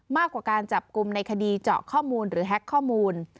มากกว่าการจับกลุ่มในคดีเจาะข้อมูลหรือแฮ็กข้อมูล